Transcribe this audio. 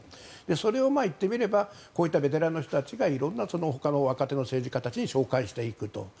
それを言ってみればこういったベテランの人たちが色んなほかの若手の政治家たちに紹介していくと。